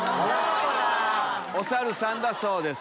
お猿さんだそうです。